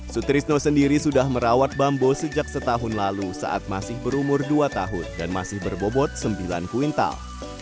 sutrisno sendiri sudah merawat bambo sejak setahun lalu saat masih berumur dua tahun dan masih berbobot sembilan kuintal